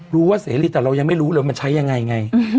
รู้ว่าเสรีแต่เรายังไม่รู้เลยว่ามันใช้อย่างไร